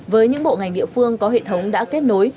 với những bộ ngành địa phương có hệ thống đã kết nối